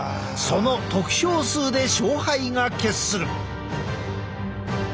その得票数で勝敗が決する。